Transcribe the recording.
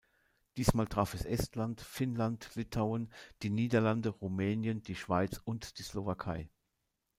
Diesmal traf es Estland, Finnland, Litauen, die Niederlande, Rumänien, die Schweiz und die Slowakei.